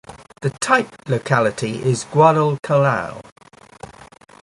The type locality is Guadalcanal.